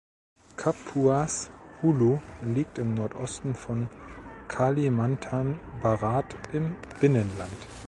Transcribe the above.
Kapuas Hulu liegt im Nordosten von Kalimantan Barat im Binnenland.